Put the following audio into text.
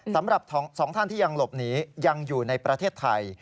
สำหรับ๒ท่านที่ยังหลบหนียังอยู่ในประเทศไทย